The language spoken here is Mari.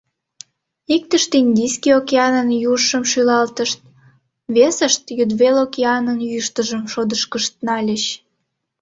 Иктышт Индийский океанын южшым шӱлалтышт, весышт Йӱдвел океанын йӱштыжым шодышкышт нальыч.